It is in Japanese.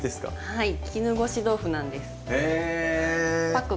はい。